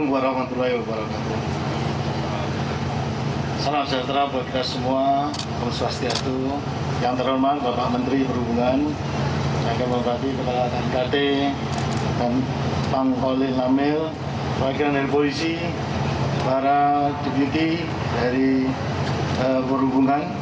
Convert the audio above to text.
wassalamualaikum warahmatullahi wabarakatuh